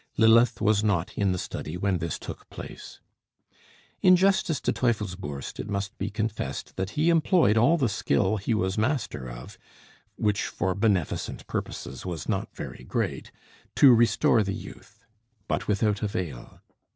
Lilith was not in the study when this took place. In justice to Teufelsbürst, it must be confessed that he employed all the skill he was master of, which for beneficent purposes was not very great, to restore the youth; but without avail.